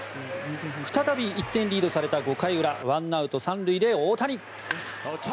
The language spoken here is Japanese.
再び１点リードされた５回裏１アウト３塁で大谷。